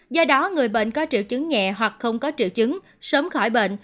do đó người bệnh có triệu chứng nhẹ hoặc không có triệu chứng sớm khỏi bệnh